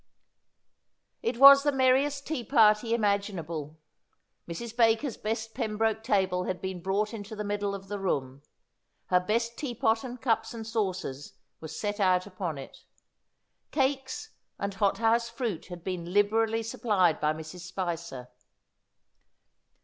It was the merriest tea party imaginable. Mrs. Baker's best Pembroke table had been brought into the middle of the room ; her best tea pot and cups and saucers were set out upon it. Cakes and hot house fruit had been liberally supplied by Mrs. Spicer.